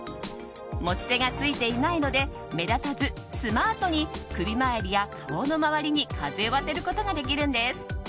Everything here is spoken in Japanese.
持ち手がついていないので目立たずスマートに首周りや顔の周りに風を当てることができるんです。